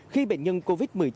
khi bệnh nhân covid một mươi chín